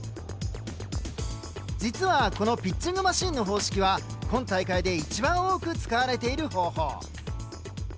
実はこのピッチングマシンの方式は今大会で一番多く使われている方法。